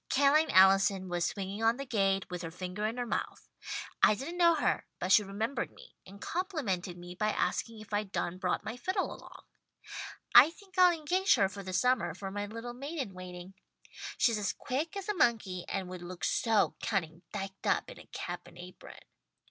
Ca'line Allison was swinging on the gate, with her finger in her mouth. I didn't know her, but she remembered me, and complimented me by asking if I'd done brought my fiddle along. I think I'll engage her for the summer for my little maid in waiting. She's as quick as a monkey and would look so cunning diked up in a cap and apron.